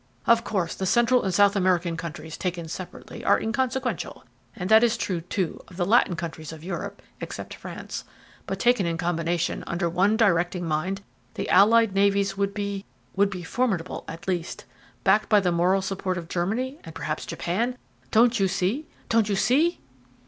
Of course, the Central and South American countries, taken separately, are inconsequential, and that is true, too, of the Latin countries of Europe, except France, but taken in combination, under one directing mind, the allied navies would be would be formidable, at least. Backed by the moral support of Germany, and perhaps Japan ! Don't you see? Don't you see?"